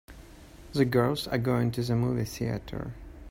The girls are going to the movie theater.